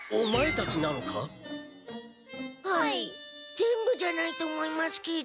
全部じゃないと思いますけど。